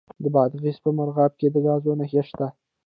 د بادغیس په مرغاب کې د ګازو نښې شته.